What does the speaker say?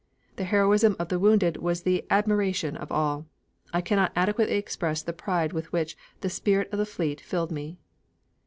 The heroism of the wounded was the 'admiration' of all. I cannot adequately express the pride with which the spirit of the fleet filled me."